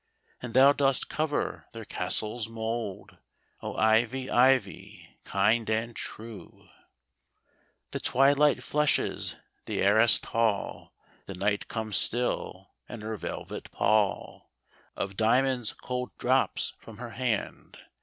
And thou dost cover their castle's mould, O, Ivy, Ivy, kind and true ! The twilight flushes the arrased hall. The Night comes still, and her velvet pall Of diamonds cold drops from her hand.